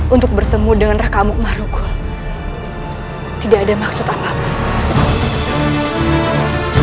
untuk bertemu dengan raka amuk marugul tidak ada maksud apa apa